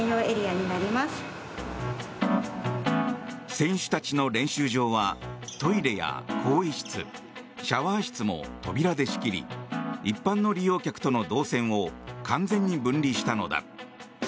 選手たちの練習場はトイレや更衣室シャワー室も扉で仕切り一般の利用客との動線を完全に分離したのだ。